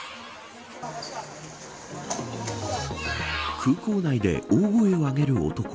空港内で大声を上げる男。